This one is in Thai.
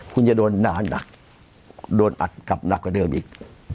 คุณจะโดนนานหนักโดนอัดกลับหนักกว่าเดิมอีก